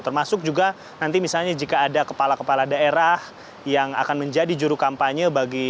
termasuk juga nanti misalnya jika ada kepala kepala daerah yang akan menjadi juru kampanye